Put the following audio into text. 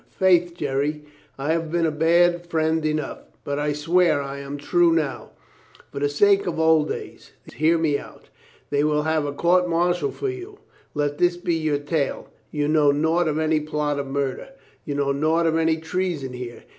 "Faith, Jerry, I have been a bad friend enough, but I swear I am true now. For the sake of old days — the old days — hear me out. They will have a court martial for you. Let this be your tale: You know naught of any plot of murder. You know naught of any treason here.